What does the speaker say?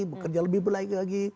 bekerja lebih berlaki laki